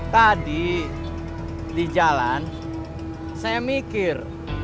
tadi di jalan saya mikir